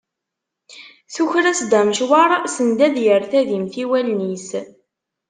Tuker-as-d amecwar send ad yerr tadimt i wallen-is.